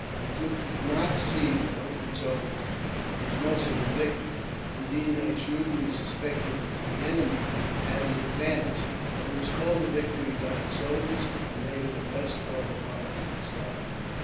I could not see that 0 ke cho be was much of a victory ; indeed, I shrewdly suspected that the enemy had the advantage ; but it was called a victory by the soldiers, and they were the best qualified to decide.